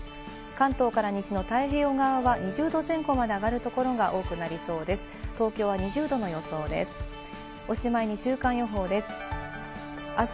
関東から西日本の太平洋側は２０度前後まで上がる所が多くなりそうです。